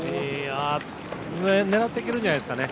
狙っていけるんじゃないですかね